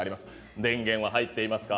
「電源は入っていますか？」